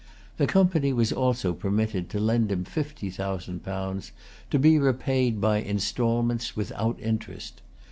The Company was also permitted to lend him fifty thousand pounds, to be repaid by instalments without interest.